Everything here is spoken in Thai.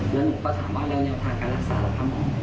แล้วหนูก็ถามว่าแล้วแนวทางการรักษาหรอกครับหมอ